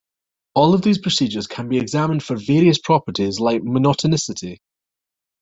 All of these procedures can be examined for various properties like monotonicity.